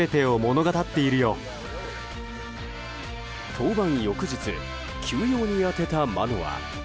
登板翌日休養に当てたマノア。